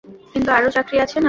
কিন্তু আরো চাকরি আছে না!